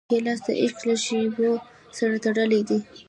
ګیلاس د عشق له شېبو سره تړلی دی.